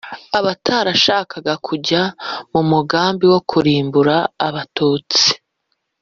abatarashakaga kujya mu mugambi wo kurimbura abatutsi.